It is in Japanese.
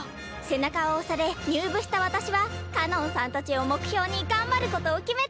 背中を押され入部した私はかのんさんたちを目標に頑張ることを決めたんす！